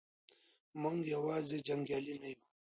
موږ یوازې جنګیالي نه یو.